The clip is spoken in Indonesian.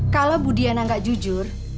kalo bu diana ga jujur